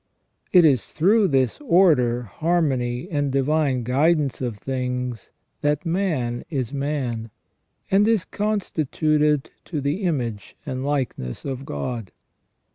It is through this order, harmony, and divine guidance of things that man is man, and is constituted to the image and likeness of God.